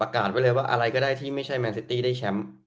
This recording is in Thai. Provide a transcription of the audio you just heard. ประกาศไปเลยอะไรก็ได้ที่ไม่ใช่แมนจ์ซิตี้ได้แชมป์